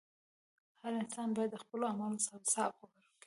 • هر انسان باید د خپلو اعمالو حساب ورکړي.